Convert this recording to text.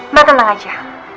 mbak tenang aja